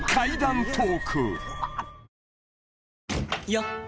よっ！